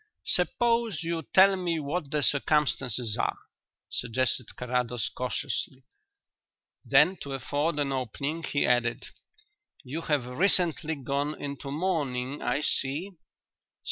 "Suppose you tell me what the circumstances are," suggested Carrados cautiously. Then, to afford an opening, he added: "You have recently gone into mourning, I see."